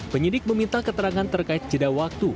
penyidik meminta keterangan terkait jeda waktu